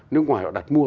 nếu ngoài họ đặt mua